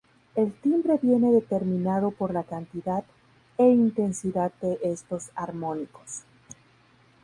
El timbre viene determinado por la cantidad e intensidad de estos armónicos.